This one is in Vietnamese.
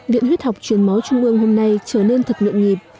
viện huyết học truyền máu trung ương hôm nay trở nên thật nhuộn nhịp